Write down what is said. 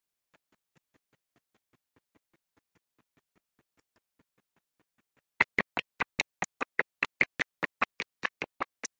I did not become Chancellor of the Greater German Reich to fight wars.